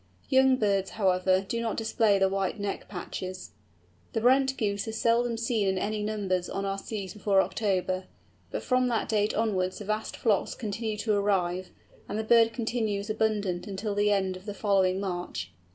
Young birds, however, do not display the white neck patches. The Brent Goose is seldom seen in any numbers on our seas before October; but from that date onwards vast flocks continue to arrive, and the bird continues abundant until the end of the following March.